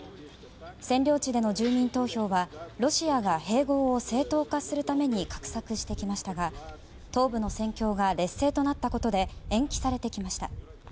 占領地での住民投票はロシアが併合を正当化するために画策してきましたが東部の戦況が劣勢となったことで延期されてきました。